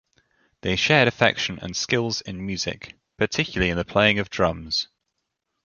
They shared affection and skills in music-particularly in the playing of drums.